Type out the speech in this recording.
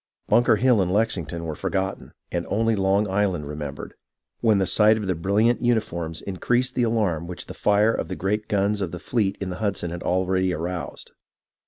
Bunker Hill and Lexington were forgotten, and only Long Island remembered, when the sight of the brilliant uniforms increased the alarm EVENTS IN AND NEAR NEW YORK 1 25 which the fire of the great guns of the fleet in the Hud son had already aroused.